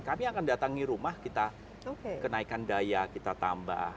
kami akan datangi rumah kita kenaikan daya kita tambah